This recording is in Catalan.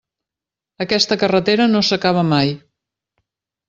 Aquesta carretera no s'acaba mai.